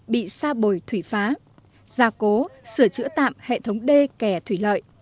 bị sa bồi thủy phá gia cố sửa chữa tạm hệ thống đê kẻ thủy lợi